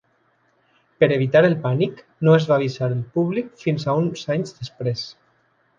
Per evitar el pànic, no es va avisar el públic fins a uns anys després.